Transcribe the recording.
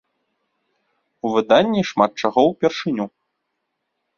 У выданні шмат чаго ўпершыню.